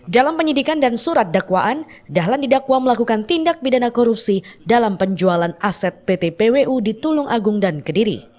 dalam penyidikan dan surat dakwaan dahlan didakwa melakukan tindak pidana korupsi dalam penjualan aset pt pwu di tulung agung dan kediri